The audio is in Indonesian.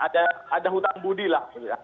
pada saat hutang budi itu kemudian setiap perusahaan